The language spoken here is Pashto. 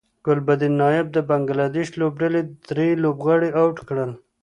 ګلبدین نایب د بنګلادیش لوبډلې درې لوبغاړي اوټ کړل